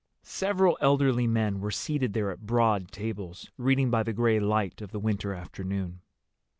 Several elderly men were seated there at broad tables, reading by the gray light of the winter afternoon.